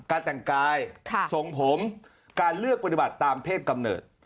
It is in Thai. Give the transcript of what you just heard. การแต่งกายทรงผมการเลือกปฏิบัติตามเพศกำเนิด